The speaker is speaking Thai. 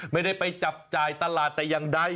ไม่ได้ไปจับจ่ายตลาดนั้นยังดัย